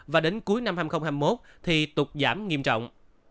và đến cuối năm hai nghìn hai mươi một thì tục giảm nghiêm trọng